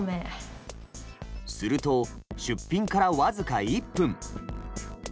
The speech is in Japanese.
すると出品から僅か１分。